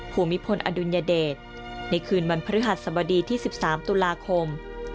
ภูมิพลอดุลยเดชในคืนวันพฤหัสสบดีที่๑๓ตุลาคม